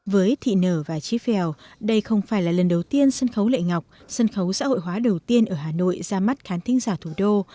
với thị nở và trí phèo đây không phải là lần đầu tiên sân khấu lệ ngọc sân khấu xã hội hóa đầu tiên ở hà nội ra mắt khán thính giả thủ đô